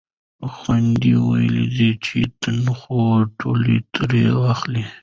خویندو ویل چې تنخوا ټولې ترې اخلئ.